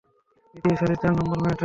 দ্বিতীয় সারির চার নম্বর মেয়েটা।